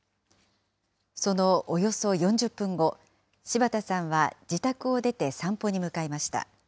そのおよそ４０分後、柴田さんは自宅を出て散歩に向かいました。